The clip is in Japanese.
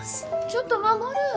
ちょっと守！